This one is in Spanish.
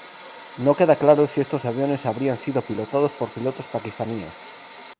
No queda claro si estos aviones habrían sido pilotados por pilotos pakistaníes.